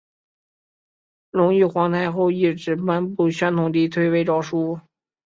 隆裕皇太后懿旨颁布宣统帝退位诏书。